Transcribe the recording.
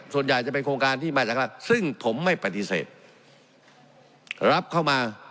ส่วนใหญ่จะเป็นโครงการที่มาจากหลักซึ่งผมไม่ปฏิเสธรับเข้ามา